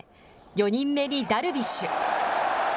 ４人目にダルビッシュ。